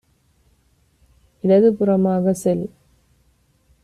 இடதுபுறமாக செல்